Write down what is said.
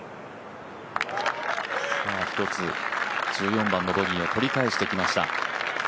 １つ１４番のボギーを取り返してきました。